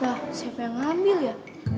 wah siapa yang ngambil ya